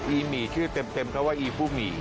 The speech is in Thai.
อีมีชื่อเต็มเขาว่าอีฟุมี